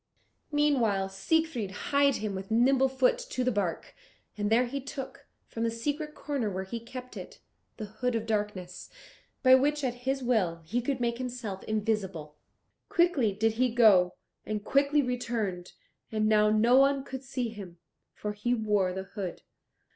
Meanwhile Siegfried hied him with nimble foot to the bark, and there he took, from the secret corner where he kept it, the Hood of Darkness, by which, at his will, he could make himself invisible. Quickly did he go, and quickly returned, and now no one could see him, for he wore the hood.